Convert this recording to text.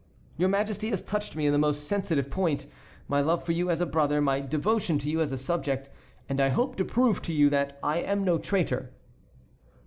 Your Majesty has touched me in my most sensitive point, my love for you as a brother, my devotion to you as a subject; and I hope to prove to you that I am no traitor."